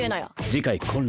次回「昏乱」。